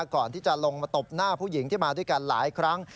ก่อนที่จะลงมาตบหน้าผู้หญิงที่มาด้วยกันหลายครั้ง